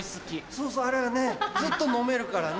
そうそうあれがねずっと飲めるからね。